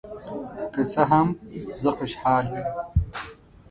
که څه هم، زه خوشحال یم.